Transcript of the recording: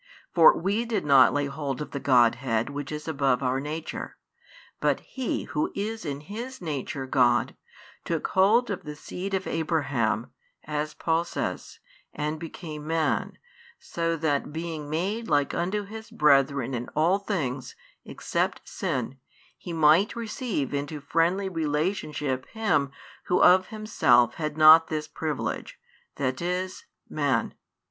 For we did not lay hold of the Godhead which is above our nature, but He Who is in His Nature God took hold of the seed of Abraham, as Paul says, and became Man, so that being made like unto His brethren in all things, except sin, He might receive into friendly relationship him who of himself had not this privilege, that is, man.